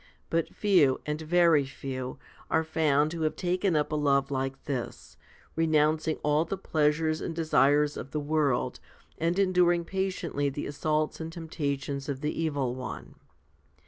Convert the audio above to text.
But few, and very few, are found who have taken up a love like this, renouncing all the pleasures and desires of the world, and enduring patiently the assaults and temptations of the evil one.